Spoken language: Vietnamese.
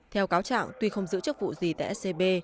theo cáo trạng tuy không giữ chức vụ gì tại scb